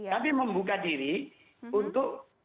kami membuka diri untuk